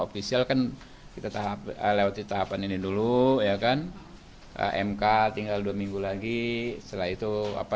ofisial kan kita tahap lewati tahapan ini dulu ya kan mk tinggal dua minggu lagi setelah itu apa